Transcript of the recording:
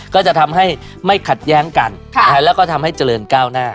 ก็จะทำให้ไม่ขัดแย้งกันแล้วก็ทำให้เจริญก้าวหน้า